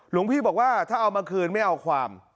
หลวงพี่บอกว่าถ้าเอามาคืนไม่เอาความ